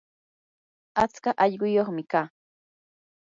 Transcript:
atska allquyuqmi kaa.